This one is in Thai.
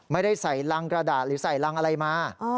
ไม่ได้ใส่รังกระดาษหรือใส่รังอะไรมา